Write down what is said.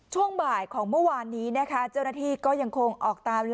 ช่วงบ่ายของเมื่อวานนี้นะคะเจ้าหน้าที่ก็ยังคงออกตาม